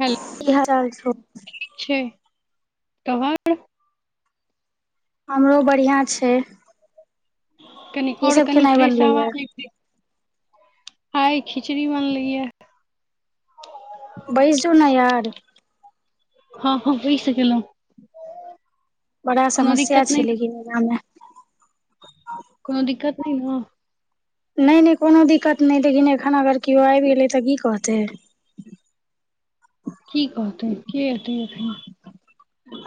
hello की हरैल छौ छै तोहर हमरो बढ़िआँ छै कनि की आओर सब कनि खेनाइ फ्रेश बनलै या आवाज अयते न आय खिचड़ी बनलैयै बैस जो न यार हँ हँ बहिस गेलेलहुँ बड़ा समस्या छल लै कि गाँमे कोनो दिक्कत नहि न नहि नहि कोनो दिक्कत नहि लेकिन एखन अगर केओ आबि गेलै त की कहतै [inaudible] की कहतेै के एते अखनि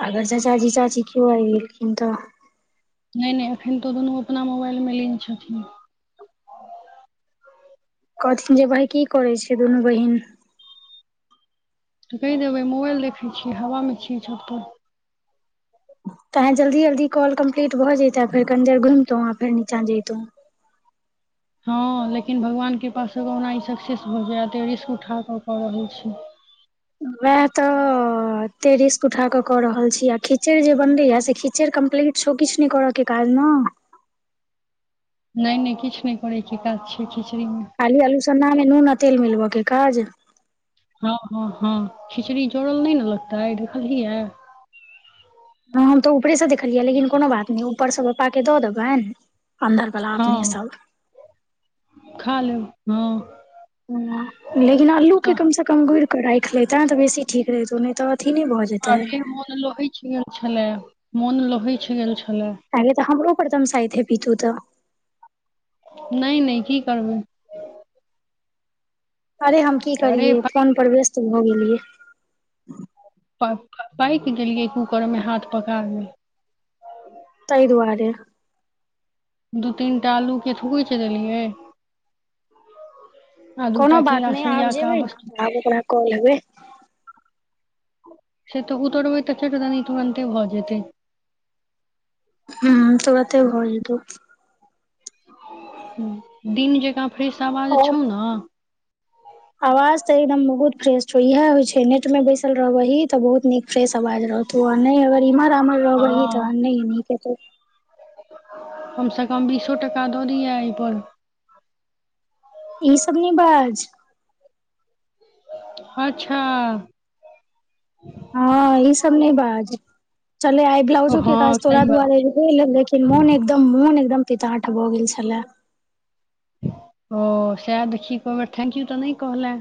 अगर चाचाजी [unintelligible] नहि नहि एखन तऽ दुनू अपना मोबाइलमे लिन छथिन कहथिन जे भाय की करै छियै दुनू बहिन तऽ कहि देबै मोबाइल देखै छियै हवामे छियै छतपर कहाहे जल्दी जल्दी कॉल कम्प्लीट भऽ जताै फेर कनी देर घुमितो फेर नीचा जयतौ हँ लेकिन भगवान कृपासँ कहुना ई सक्सेस भऽ जायत रिस्क उठा कऽ कऽ रहल छी वेह तऽ ततेक रिस्क उठा क कऽ रहल छी आ खीचड़ जे बनले या से खीचड़ कम्प्लीट छो किछु नहि कर के काज न नहि नहि किछु नहि करैके काज छै खिचड़ी मे खाली आलू उसनलाहामे नून आ तेल मिल ब के काज हँ हँ हँ खिचड़ी जोड़ल नहि न लगतै देखलिहियै हँ हम तऽ ऊपरेसँ देखलियै लेकिन कोनो बात नहि ऊपरसँ पपाकेँ दऽ देबैन अन्दरवला हँ अपने सब खा लेब हँ ह लेकिन अल्लूके कमसँ कम गुरि कऽ राखि लेते तऽ बेसी ठीक रहहितौ नहि तऽ अथी नहि भऽ जेतै अरे मन लहछि गेल छले मन लहछि गेल छल पहिले तऽ हमरो पर दमशाइत हेबही तु त नहि नहि की करबै अरे हम की अरे करियै फोन पर व्यस्त भऽ गेलियै प पाकि गेलियै कूकरमे हाथ पका गेल एहि दुआारे दू तीन टा आलूके थुकुच देलियै आ कोनो दूटा के बात नहि आब रसरिया का जेबै ने बस्तु तऽ आब ओकरा कऽ लेबै से तऽ उतरबै तऽ छोट त न तुरनते भऽ जेतै हू तुरते भऽ जेतौ दिन जकाँ फ्रेश आवाज आओर छौ न आवाज त एकदम बहुत फ्रेश छौ इहा होय छै नेट में बैसल रहबी तऽ बहुत नीक फ्रेश आवाज रह तो नहि अगर इमार आमर रहब ही तऽ हँ नहि न के त कम से कम बीसो टका दऽ दीहे एहिपर ई सब न बाज अच्छा हँ ई सब नहि बाज चले आय ब्लाउजो के हँ काज तोरा सही बात दुआरे एगो हो लेकिन मोन एकदम मन एकदम पीता आठ भऽ गेल छलै ओ सए देखि एको बर थैंक यू तऽ नहि कहले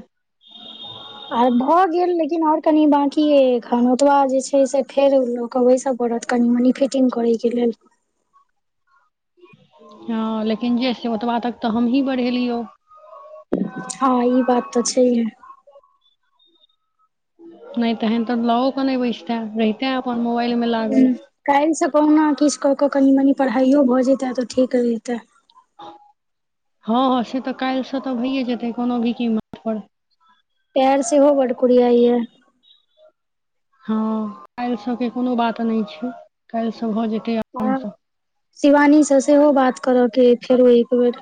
आर भऽ गेल लेकिन आओर कनि बाकी एखन ओतबा जे छै से फेर लोकबै बड़त कनि मनी फिटिंग करै के लेल हँ लेकिन जे से ओतबा तक तऽ हमहीँ बढ़ेलियौ हँ ई बात तऽ छै है नहि तऽ है तऽ लउ क नहि बैसत रहितै अपन मोबाइलमे ह लागल कालहि सकहु ने किछु कऽ कऽ कनि मनी पढ़ाइयो भऽ जेतै तऽ ठीक हो जेतै हँ हँ से तऽ काल्हिसँ तऽ भइए जेतै कोनो भी कीमत पर पैर से हो बड कुुरीयाय य हँ काल्हि सब के कोनो बात नहि छै काल्हि सब भऽ जेतै ह आरामसँ शिवानीसँ सेहो बात करय के फेरो एक बेर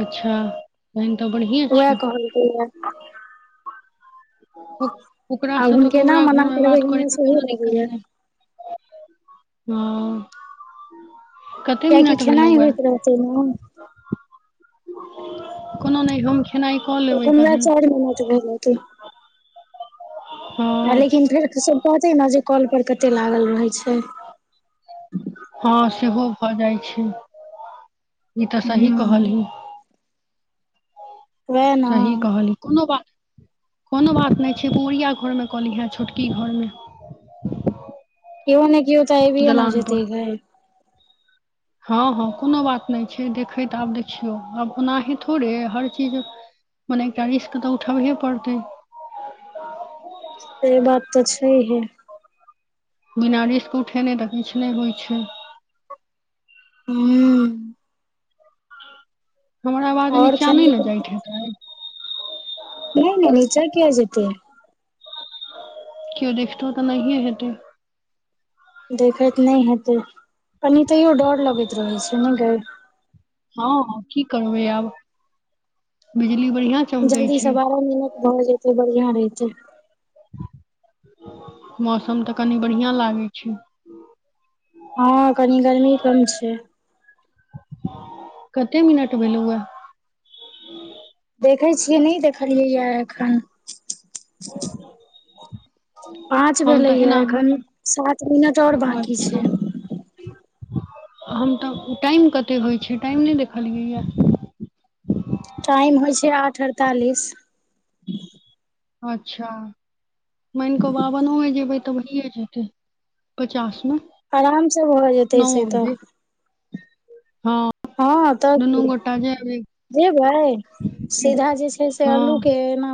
अच्छा त ओएह कहल कऊ ये ओ आब ओकरासँ हम तऽ केना कोबरा मना घरमे करबै बात हमरा करयमे सेहो कोनो दिक्कत लगैये नहि हँ कते कियाकि मिनट खेनाइ भेलहु य होइत रहतै न कोनो नहि हम खेनाइ कऽ लेबै एखन वैह तहन चारि मिनट भेल हेतै आ हँ लेकिन फेर सभ कहतै ने जे कौलपर कतेक लागल रहै छै हँ सेहो भऽ जाइत छै ई तऽ सही हूं कहलही वैह न सही कहलै कोनो बात कोनो बात नहि छै पुरिया घरमे कहलिहे छोटकी घरमे केओ ने के तऽ आबीए न दलान पर जेतई गे [unintelligible] हँ हँ कोनो बात नहि छै देखैत आब देखियौ आब ओनाही थोड़े हर चीज मने एकटा रिस्क तऽ उठबहे पड़तै से बात तऽ छै है बिना रिस्क उठेना तऽ किछु नहि होइ छै हू हमरा आवाज और नीचाँ नहि खेनाइ ने जाइत पिनाइ हेतै नै ने नीचा किया जेतै क्यो देखत तऽ नहीए हेते देखैत त नहि हेतै पनी तऽ एो डर लगैत रहै छै नहि गे हँ की करबै यब बि जल्दीसँ बारह मिनट भऽ जेतै बढ़िआं रहैतै मौसम तऽ कनि बढ़िआँ लागै छै हँ कनी गर्मी कम छै कते मिनट भेलहुए देखै छियै नहि देखलियै य एखन पाँच हम त भेलैया एना एखन सात मिनट और बाकी अच्छा छै हम तऽ टाइम कतेक होइ छै टाइम नहि देखलियैए टाइम होइ छै आठ अड़तालीस अच्छा माइन कऽ बाबनो जेबै तऽ भइए जेतै पचास न आरामसँ भऽ जेतै से तऽ हँ हँ तऽ दुनू की गोटा जे जेबै सीधा जे छै से हँ अल्लू के एना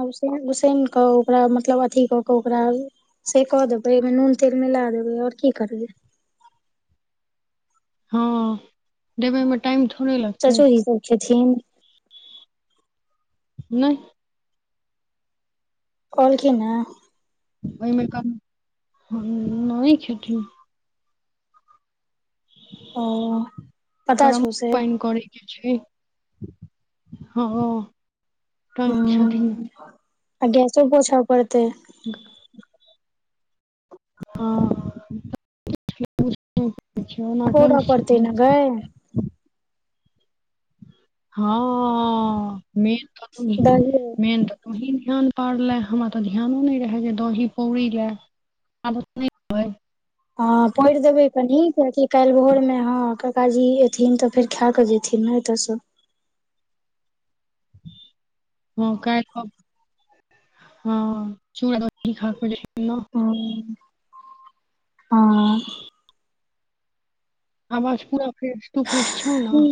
उसैन के ओकरा मतलब अथी क के ओकरा से क देबे नून तेल मिला देबे आओर की करबे हँ देबे मे टाइम थोड़े लगतै चचोजी सब खेथिन नहि कहलखिन या ओहिमे कम नहि खेथिन ओ पता गरम छौ से पाइन करै के छै ह ओ टं आ गैसो पोछा पड़तै [inaudible] हँ पौरऽ [unintelligible] पड़तै छथिन ने गै हँ मेन तू तू दही मेन त तूहि ध्यान परलए हमरा तऽ ध्यानो नहि रहै जे दही पौड़ी लए आदत नहि अय हँ पौर देबै कनी किएकि काल्हि भोरमे हँ काकाजी एयथिन तऽ फेर खा कऽ जेथिन ने एतयसँ हँ काल्हि हँ चूड़ा दही खा कर रहि [unintelligible] हँ हँ आवाज पूरा फ्रेश तू फ्रेश छौ ने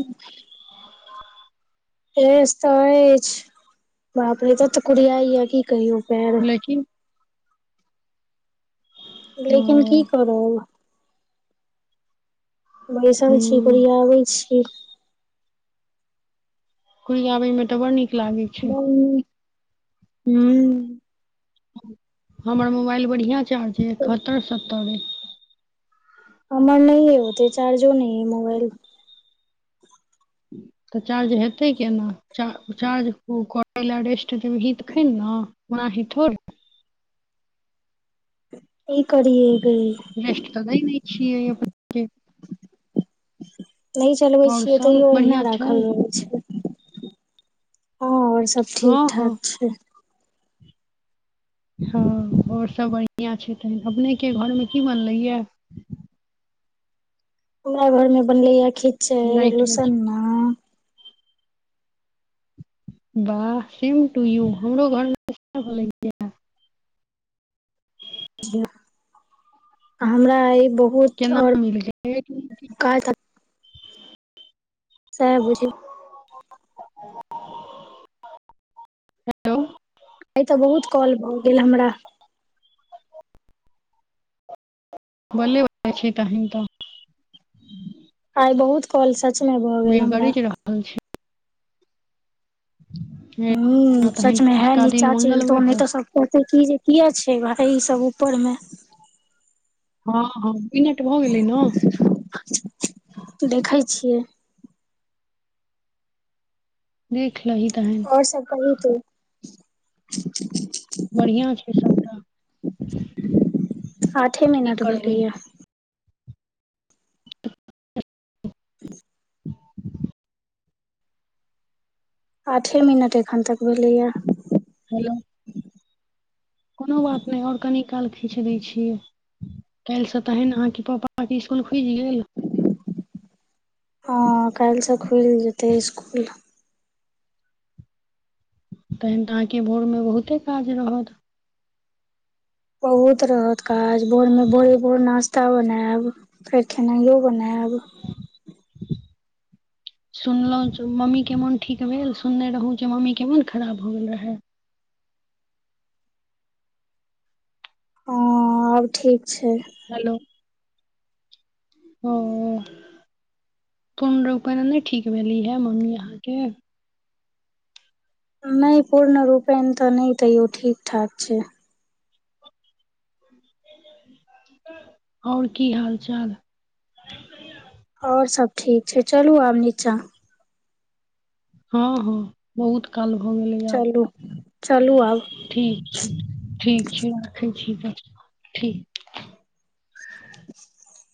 एस तऽ अछि बापरे तत कुरियाइ या की कयौ पेर लेकिन लेकिन की हूँ करब बैसल छी कोरियाबय छी कुरियाबयमे तऽ बड़ नीक लागै छै हू हमर मोबाइल बढ़िआँ चार्ज अइ एकहत्तर सत्तर अइ हमर नहि अय ओते चार्जो नए ए मोबाइल तऽ चार्ज हेतै केना चार्ज करै ल रेस्ट देबही तखन न हँ म ही थोर ई करिए रेस्ट तऽ दय नहि न छिय अपने के नहि चलबै और छियै सब तैयो ओहिना बढ़ियां छै राखल रहै छै हँ आओर सब हँ ठीक हँ ठाक छै हँ आओर सभ बढ़िआँ छै तऽन अपनेके घरमे की बनलैए हमरा घरमे बनलैए खिचड़ राइत मे लूसन्ना वाह सेम टू यू हमरो घरमे सेहे बनलय या इ ये हमरा ई बहुत केना आओर मिल गेल काज सएह बुझि आइ तऽ बहुत कॉल भऽ गेल हमरा बले बले छै तहन तऽ आइ बहुत कॉल सचमे भऽ गेल मेघ हमरा गरज रहल छै ए, हं तहन सचमें है सँझुका दिन नीचा चेलतो मंगलमय नहि हो तो सब कहतै की जे किया छैय भाय ई सब ऊपर मे हँ हँ मिनट भऽ गेलै न देखै छियै देख लही तहन आउर सब कही तू बढ़िआँ छैय सभटा आठे मिनट भेलैए [inaudible] ह आठे मिनट एखन तक भेलैए हेलो कोनो बात नै आओर कनि काल खीच दय छियै काइल से तहेन अहाके पापा के स्कूल खुजि गेल हँ काइलसँ खुल जेतै इसकुल तहन तऽ अहाँके भोरमे बहुते काज रहत बहुत रहत काज भोर मे भोरे भोर नास् त्ता बनायब फेर खेनाइयो बनायब [inaudible] सुनलहुँ जे मम्मीके मोन ठीक भेल सुनने रहौँ जे मम्मीके मोन खराब हो गेल रहए हँ आब ठीक छै हेलो ह पूर्ण रूपै नै ठीक भेली है मम्मी अहाँके नै पूर्ण रूपेण तऽ नै तैयो ठीक ठाक छैय आओर की हाल चाल आओर सब ठीक छैय चलू आब नीचाँ हँ हँ बहुत काल भऽ गेलै आब चलू चलू आब ठीक छै ठीक छैय राखै छी तऽ ठीक [unintelligible]